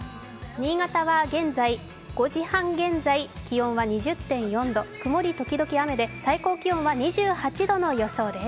新潟は５時半現在、気温は２０．４度曇り時々雨で最高気温は２８度の予想です。